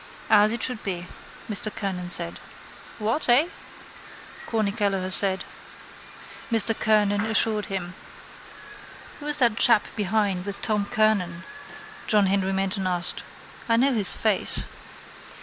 —As it should be, Mr Kernan said. —What? Eh? Corny Kelleher said. Mr Kernan assured him. —Who is that chap behind with Tom Kernan? John Henry Menton asked. I know his face.